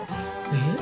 えっ。